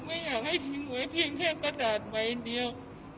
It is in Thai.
ไม่อยากให้ทิ้งไว้เพียงแค่กระดาษใบเดียว